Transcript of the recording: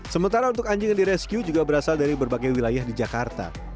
sementara untuk anjing yang direscue juga berasal dari berbagai wilayah di jakarta